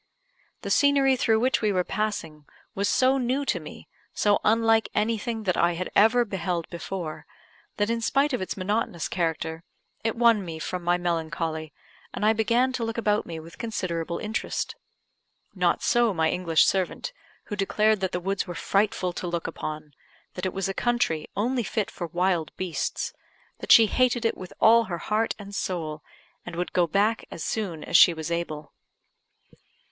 The scenery through which we were passing was so new to me, so unlike anything that I had ever beheld before, that in spite of its monotonous character, it won me from my melancholy, and I began to look about me with considerable interest. Not so my English servant, who declared that the woods were frightful to look upon; that it was a country only fit for wild beasts; that she hated it with all her heart and soul, and would go back as soon as she was able.